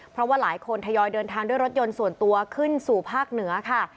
เพราะว่าหลายคนทยอยเดินทางด้วยรถยนต์ส่วนตัวขึ้นสู่ภาคเหนือค่ะ